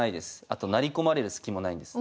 あと成り込まれるスキもないんです。